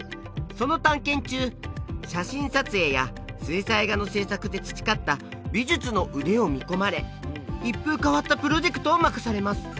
その探検中写真撮影や水彩画の制作で培った美術の腕を見込まれ一風変わったプロジェクトを任されます